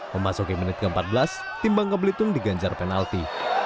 memasuki menit ke empat belas tim bangka belitung diganjar penalti